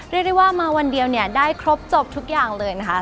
เรียกได้ว่ามาวันเดียวเนี่ยได้ครบจบทุกอย่างเลยนะคะ